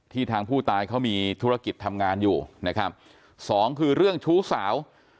ทางผู้ตายเขามีธุรกิจทำงานอยู่นะครับสองคือเรื่องชู้สาว